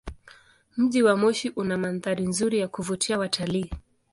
Mji wa Moshi una mandhari nzuri ya kuvutia watalii.